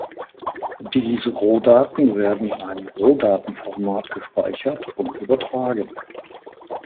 Diese Rohdaten werden in einem Rohdatenformat gespeichert und übertragen.